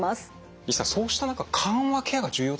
西さんそうした中緩和ケアが重要だということですね。